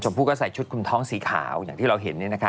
ผู้ก็ใส่ชุดคุมท้องสีขาวอย่างที่เราเห็น